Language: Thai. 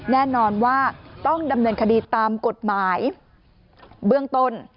แน่นอนว่าต้องดำเนินคดีตามกฎหมายเบื้องต้น